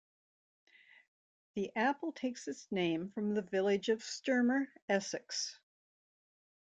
The apple takes its name from the village of Sturmer, Essex.